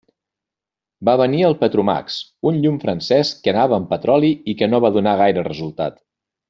Va venir el Petromax, un llum francès que anava amb petroli i que no va donar gaire resultat.